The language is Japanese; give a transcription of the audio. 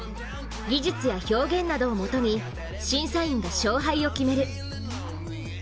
技術や表現などをもとに審査員が勝敗を決める。